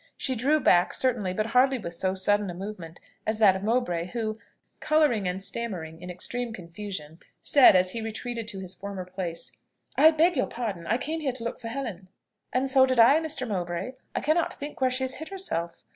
She drew back, certainly, but hardly with so sudden a movement as that of Mowbray, who, colouring and stammering in extreme confusion, said as he retreated to his former place, "I beg your pardon: I came here to look for Helen." "And so did I, Mr. Mowbray: I cannot think where she has hid herself.